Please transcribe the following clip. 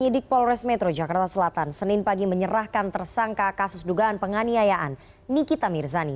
penyidik polres metro jakarta selatan senin pagi menyerahkan tersangka kasus dugaan penganiayaan nikita mirzani